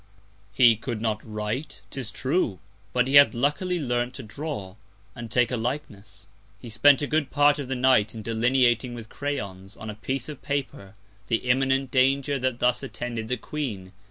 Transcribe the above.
He could not write, 'tis true, but he had luckily learnt to draw, and take a Likeness. He spent a good Part of the Night in delineating with Crayons, on a Piece of Paper, the imminent Danger that thus attended the Queen.